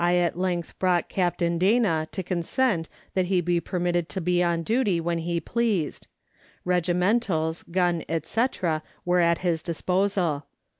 71 length brought Captain Dana to consent that he be permitted to 'be on duty when he pleased; regimentals, gun, &c., were at his disposal.